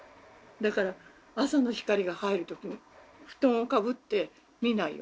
だから朝の光が入る時布団をかぶって見ないように。